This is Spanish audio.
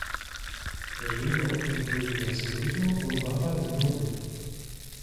El libro incluye asimismo un mapa de Númenor.